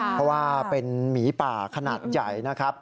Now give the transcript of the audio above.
เพราะว่าเป็นหมีป่าขนาดใหญ่นะครับ